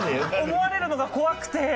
思われるのが怖くて。